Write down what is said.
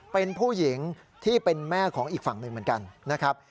เป็นผู้หญิงที่เป็นแม่ของอีกฝั่งหนึ่งเหมือนกันนะครับ